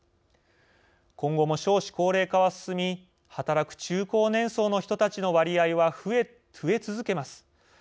今後も少子高齢化は進み働く中高年層の人たちの割合は増え続けます。